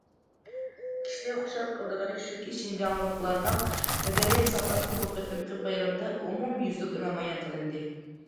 كىشىنى خۇشال قىلىدىغىنى شۇكى، شىنجاڭلىقلارنىڭ مەدەنىيەت ساپاسى بۇ قېتىمقى بايرامدا ئومۇميۈزلۈك نامايان قىلىندى.